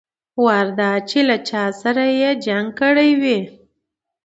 وار دا چې له چا سره به يې جنګ کړى وي.